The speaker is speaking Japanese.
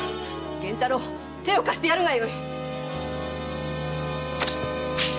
源太郎手を貸してやるがよい！